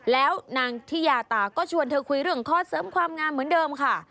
แล้วนางทิยาตาก็ชวนเธอคุยเรื่องข้อเสริมความงามเหมือนเดิมค่ะ